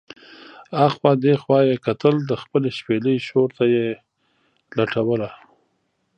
اخوا دې خوا یې کتل، د خپلې شپېلۍ شور ته یې لټوله.